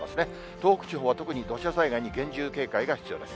東北地方は特に土砂災害に厳重警戒が必要です。